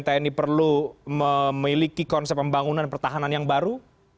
tni perlu memiliki konsep pembangunan pertahanan yang baru